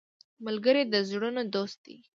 ملګری د زړونو دوست دی